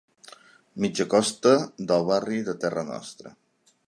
Mitja Costa del barri de Terra Nostra.